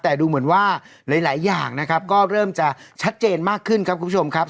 แต่ดูเหมือนว่าหลายอย่างนะครับก็เริ่มจะชัดเจนมากขึ้นครับคุณผู้ชมครับ